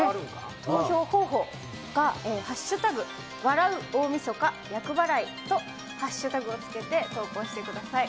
投票方法が＃笑う大晦日厄払いと、ハッシュタグをつけて投稿してください。